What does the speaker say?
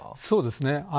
そうですね。